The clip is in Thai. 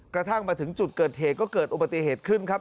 กระทั่งมาถึงจุดเกิดเหตุก็เกิดอุบัติเหตุขึ้นครับ